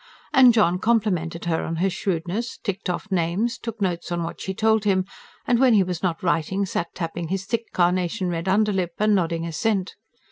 And John complimented her on her shrewdness, ticked off names, took notes on what she told him; and when he was not writing sat tapping his thick, carnation red underlip, and nodding assent.